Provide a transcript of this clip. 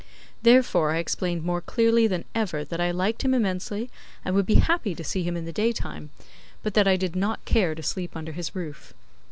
Therefore I explained more clearly than ever that I liked him immensely, and would be happy to see him in the daytime; but that I did not care to sleep under his roof.